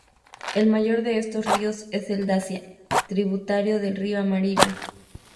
El mayor de estos ríos es el Daxia, tributario del río amarillo.